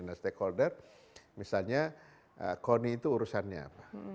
nah stakeholder misalnya koni itu urusannya apa